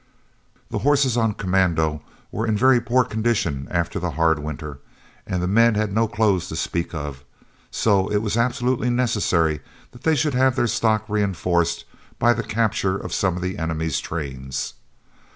The horses on commando were in a very poor condition after the hard winter, and the men had no clothes to speak of. So it was absolutely necessary that they should have their stock reinforced by the capture of some of the enemy's trains.